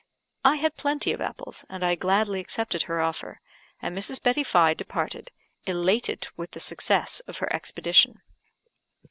I had plenty of apples, and I gladly accepted her offer, and Mrs. Betty Fye departed, elated with the success of her expedition.